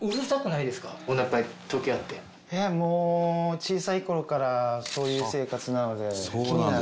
いやもう小さい頃からそういう生活なので。